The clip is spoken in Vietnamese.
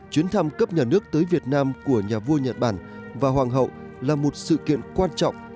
chuyến thăm cấp nhà nước tới việt nam của nhà vua nhật bản và hoàng hậu là một sự kiện quan trọng